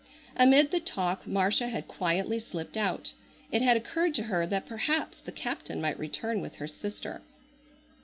Amid the talk Marcia had quietly slipped out. It had occurred to her that perhaps the captain might return with her sister.